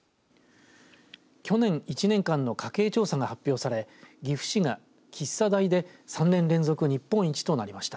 去年１年間の家計調査が発表され岐阜市が喫茶代で３年連続日本一となりました。